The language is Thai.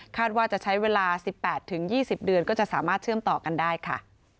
ว่าจะใช้เวลา๑๘๒๐เดือนก็จะสามารถเชื่อมต่อกันได้ค่ะ